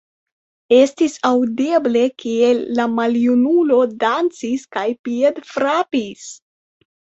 Estis aŭdeble, kiel la maljunulo dancis kaj piedfrapis.